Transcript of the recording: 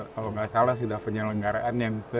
kalau nggak salah sudah penyelenggaraan yang ke